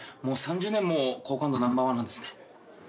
もう３０年も好感度ナンバーワンなんですね。